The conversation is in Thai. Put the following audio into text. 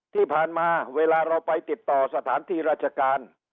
ที่ผ่านมาเวลาเราไปติดต่อสถานที่ราชการ